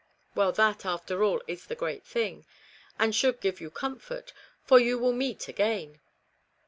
" Well, that, after all, is the great thing, and should give you comfort, for you will meet again."